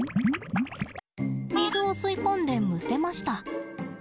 水を吸い込んでむせました。